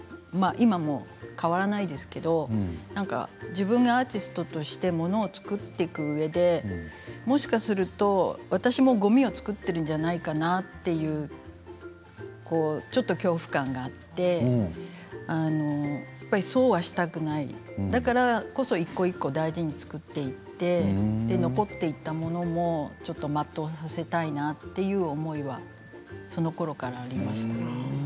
今も変わらないですけど自分がアーティストとして物を作っていくうえでもしかすると私もごみを作っているんじゃないかっていうちょっと恐怖感があってそうはしたくないだからこそ一個一個大事に作っていって残っていたものも全うさせたいなという思いはそのころからありました。